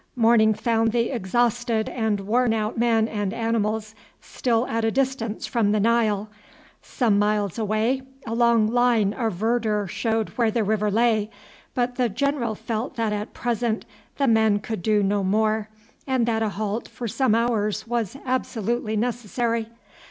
Morning found the exhausted and worn out men and animals still at a distance from the Nile. Some miles away a long line of verdure showed where the river lay, but the general felt that at present the men could do no more, and that a halt for some hours was absolutely necessary.